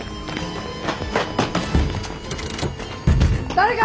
誰か！